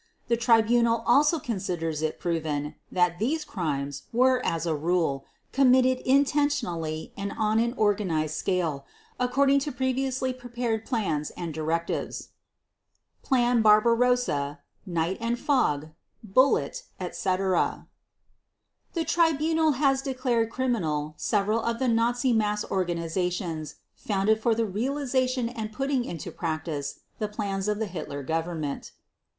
The Tribunal also considers it proven that these crimes were as a rule committed intentionally and on an organized scale, according to previously prepared plans and directives ("Plan Barbarossa", "Night and Fog", "Bullet", etc.). The Tribunal has declared criminal several of the Nazi mass organizations founded for the realization and putting into practice the plans of the Hitler Government.